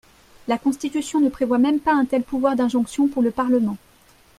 La Constitution ne prévoit même pas un tel pouvoir d’injonction pour le Parlement.